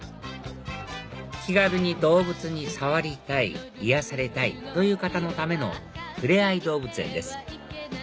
気軽に動物に触りたい癒やされたいという方のための触れ合い動物園です